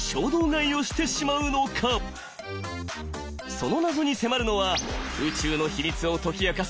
その謎に迫るのは宇宙の秘密を解き明かす